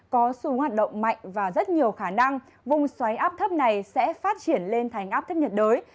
có xu hướng hoạt động mạnh và rất nhiều khả năng vùng xoáy áp thấp này sẽ phát triển lên thành áp thấp nhiệt đới